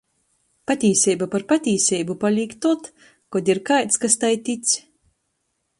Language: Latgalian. Patīseiba par patīseibu palīk tod, kod ir kaids, kas tai tic.